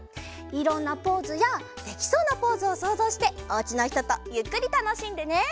いろんなポーズやできそうなポーズをそうぞうしておうちのひととゆっくりたのしんでね！